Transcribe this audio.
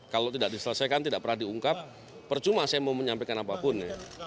kalau tidak diselesaikan tidak pernah diungkap percuma saya mau menyampaikan apapun